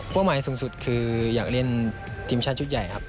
หมายสูงสุดคืออยากเล่นทีมชาติชุดใหญ่ครับ